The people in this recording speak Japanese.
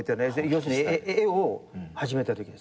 要するに絵を始めたときです。